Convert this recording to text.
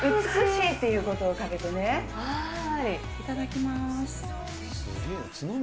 いただきます。